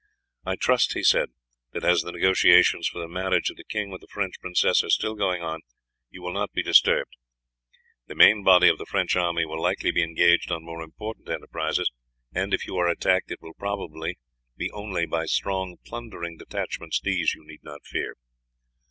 "I trust," he said, "that as the negotiations for the marriage of the king with the French princess are still going on, you will not be disturbed. The main body of the French army will likely be engaged on more important enterprises, and if you are attacked it will probably be only by strong plundering detachments; these you need not fear.